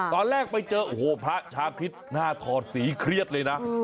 ตอนแรกไปเจอโอ้โหพระชาคริสต์หน้าถอดสีเครียดเลยนะ